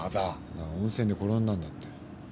だから温泉で転んだんだって。